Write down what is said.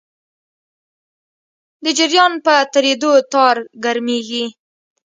د جریان په تېرېدو تار ګرمېږي.